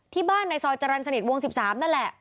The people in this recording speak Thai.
ที่บ้านในซอยจรรย์สนิทวง๑๓นั่นแหละ